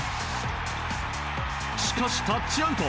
しかし、タッチアウト。